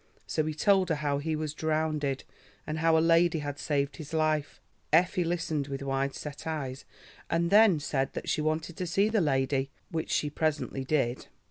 So he told her how he was "drownded" and how a lady had saved his life. Effie listened with wide set eyes, and then said that she wanted to see the lady, which she presently did.